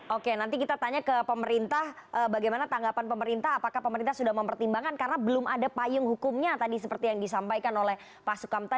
oke nanti kita tanya ke pemerintah bagaimana tanggapan pemerintah apakah pemerintah sudah mempertimbangkan karena belum ada payung hukumnya tadi seperti yang disampaikan oleh pak sukamta